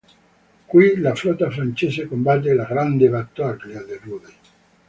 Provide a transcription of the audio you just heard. Qui la flotta francese combatté la "Grande Battaglia di Rodi".